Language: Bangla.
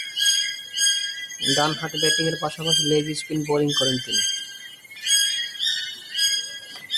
ডানহাতে ব্যাটিংয়ের পাশাপাশি লেগ স্পিন বোলিং করেন তিনি।